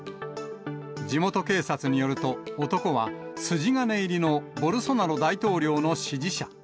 地元警察によると、男は筋金入りのボルソナロ大統領の支持者。